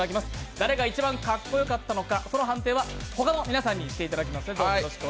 誰が一番カッコよかったのか判定は他の皆さんにしていただきます。